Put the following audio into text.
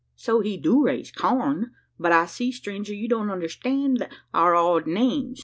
"So he do raise corn; but I see, stranger, you don't understand our odd names.